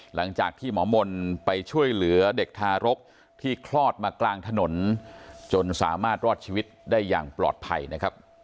หลังจากที่หมอมนต์ไปช่วยเหลือเด็กทารกที่คลอดมากลางถนนจนสามารถรอดชีวิตได้อย่างปลอดภัยนะครับ